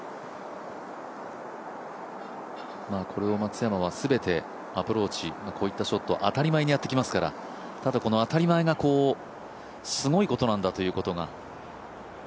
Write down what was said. これを松山はすべてアプローチ、こういったショットを当たり前にやってきますから、ただこの当たり前がすごいことなんだということが。